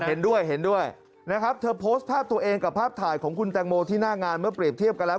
เห็นด้วยเห็นด้วยนะครับเธอโพสต์ภาพตัวเองกับภาพถ่ายของคุณแตงโมที่หน้างานเมื่อเปรียบเทียบกันแล้ว